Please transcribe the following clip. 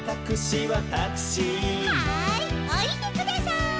はいおりてください。